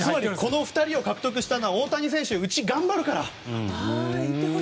この２人を獲得したのは大谷選手、うち頑張るからと。